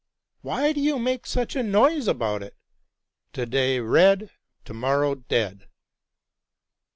why do you make such a noise about it? — to day red, to morrow dead.